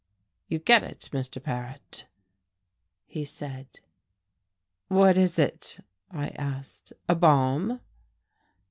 "You get it, Mr. Paret," he said. "What is it?" I asked, "a bomb!"